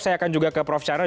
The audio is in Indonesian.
saya akan juga ke prof charles